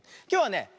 きょうはね